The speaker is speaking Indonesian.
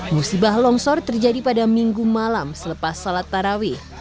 musibah longsor terjadi pada minggu malam selepas sholat tarawih